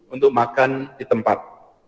untuk makan di tempat